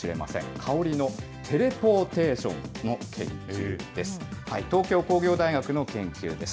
香りのテレポーテーションの研究です。